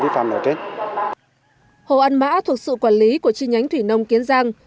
tuy nhiên hồ an mã thuộc sự quản lý của chi nhánh thủy nông kiến giang